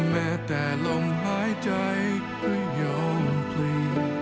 แม้แต่ลมหายใจก็ยอมพลี